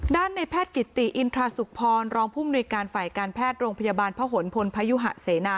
ในแพทย์กิติอินทราสุขพรรองผู้มนุยการฝ่ายการแพทย์โรงพยาบาลพระหลพลพยุหะเสนา